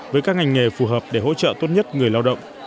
với các ngành nghề phù hợp để hỗ trợ tốt nhất người lao động